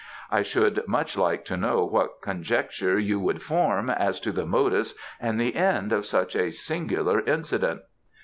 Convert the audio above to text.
I should much like to know what conjecture you would form, as to the modus and end of such a singular incident.